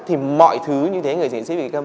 thì mọi thứ như thế người diễn dịch kỳ câm